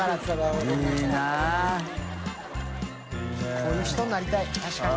こういう人になりたい確かに。